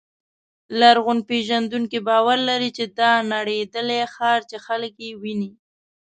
لرغونپېژندونکي باور لري چې دا نړېدلی ښار چې خلک یې ویني.